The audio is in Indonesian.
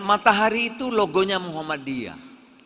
matahari itu logonya muhammadiyah